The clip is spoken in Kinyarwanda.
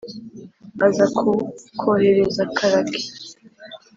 aza ko kohereza karake